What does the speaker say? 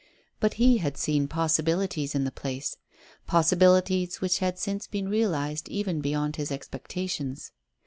But he had seen possibilities in the place possibilities which had since been realized even beyond his expectations.